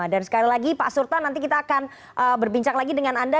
dan sekali lagi pak surta nanti kita akan berbincang lagi dengan anda